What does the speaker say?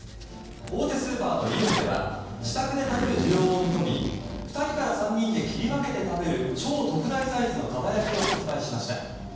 大手スーパーのイオンでは自宅で食べる需要を見込み２人から３人で切り分けて食べる超特大サイズのかば焼きを発売しました。